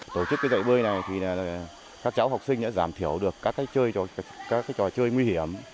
tổ chức dạy bơi này các cháu học sinh đã giảm thiểu được các trò chơi nguy hiểm